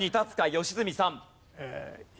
良純さん。